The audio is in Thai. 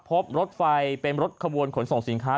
พบรถไฟเป็นรถขบวนขนส่งสินค้า